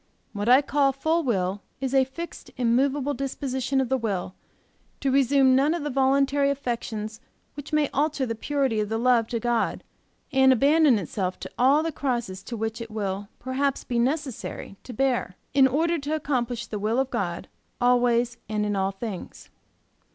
What I call full will is a fixed immovable disposition of the will to resume none of the voluntary affections which may alter the purity of the love to God and to abandon itself to all the crosses which it will perhaps be necessary to bear, in order to accomplish the will of God always and in all things.